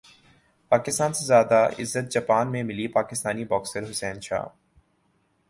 پاکستان سے زیادہ عزت جاپان میں ملی پاکستانی باکسر حسین شاہ